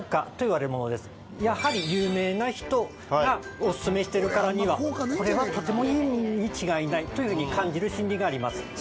やはり有名な人がオススメしてるからにはこれはとてもいいに違いないというふうに感じる心理があります。